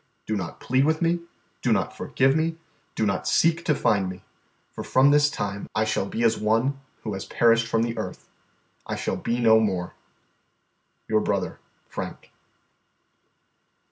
Do not plead with me, do not forgive me, do not seek to find me, for from this time I shall be as one who has perished from the earth; I shall be no more. "Your brother, FRANK."